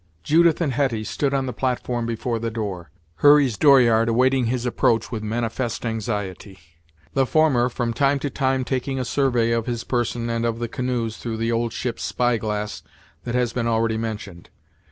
Judith and Hetty stood on the platform before the door, Hurry's dooryard awaiting his approach with manifest anxiety; the former, from time to time, taking a survey of his person and of the canoes through the old ship's spyglass that has been already mentioned.